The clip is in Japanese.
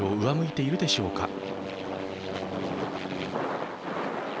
上向いているでしょうか。